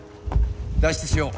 脱出しよう。